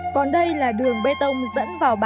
cũng thấy quê hương thật thân thương gắn bó và muốn trở về